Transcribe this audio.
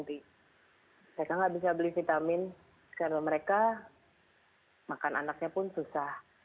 mereka nggak bisa beli vitamin karena mereka makan anaknya pun susah